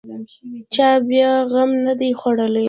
چا بیا غم نه دی خوړلی.